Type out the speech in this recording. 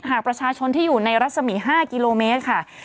หากประชาชนที่อยู่ในรัศมี๕กิโลเมตรค่ะ